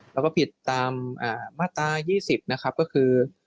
แล้วก็ผิดตามมาตรา๒๐นะครับก็คือ